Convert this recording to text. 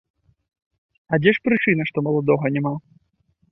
А дзе ж прычына, што маладога няма?